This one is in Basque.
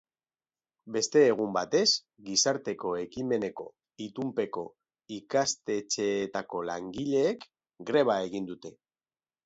Beste egun batez, gizarte ekimeneko itunpeko ikastetxeetako langileek greba egin dute.